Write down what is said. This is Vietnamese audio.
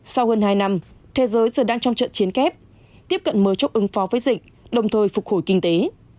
sau hơn hai năm thế giới giờ đang trong trận chiến kết tiếp cận mới chốt ứng phó với dịch đồng thời phục hồi kinh tế